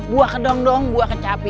buah ke dongdong buah ke capi